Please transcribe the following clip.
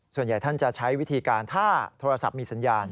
ส่วนใหญ่ท่านจะใช้วิธีการถ้าโทรศัพท์มีสัญญาณ